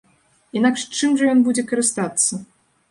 Інакш чым жа ён будзе карыстацца?